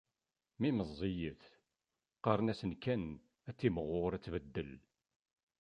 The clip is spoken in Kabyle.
Mi meẓẓiyet, qqaren-as kan ad timɣur ad tbeddel.